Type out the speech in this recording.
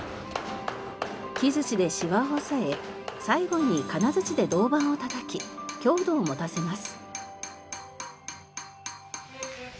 木槌でシワを抑え最後に金槌で銅板を叩き強度を持たせます。